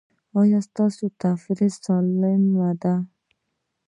ایا ستاسو تفریح سالمه ده؟